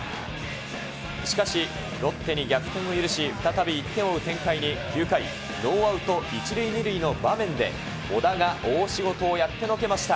しかし、ロッテに逆転を許し、再び１点を追う展開に、９回ノーアウト１塁２塁の場面で、小田が大仕事をやってのけました。